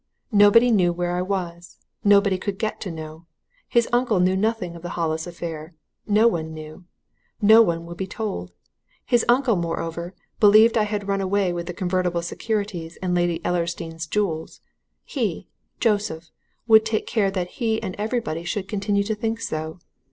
Nobody knew where I was nobody could get to know. His uncle knew nothing of the Hollis affair no one knew. No one would be told. His uncle, moreover, believed I had run away with convertible securities and Lady Ellersdeane's jewels he, Joseph, would take care that he and everybody should continue to think so.